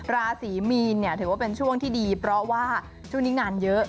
ราศีมีนเนี่ยถือว่าเป็นช่วงที่ดีเพราะว่าช่วงนี้งานเยอะ